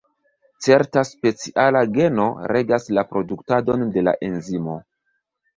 Certa speciala geno regas la produktadon de la enzimo.